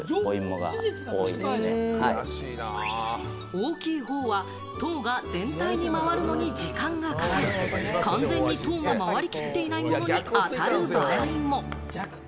大きい方は糖が全体に回るのに時間がかかり、完全に糖が回りきっていないものに当たる場合も。